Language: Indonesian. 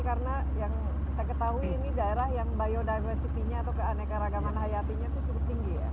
karena yang saya ketahui ini daerah yang biodiversitasnya atau keanekaragaman hayatinya itu cukup tinggi ya